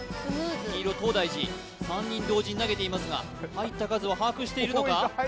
黄色東大寺３人同時に投げていますが入った数を把握しているのか？